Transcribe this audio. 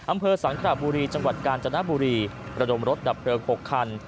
อำเภอสังขระบุรีจังหวัดกาญจนบุรีระดมรถดับเพลิง๖คัน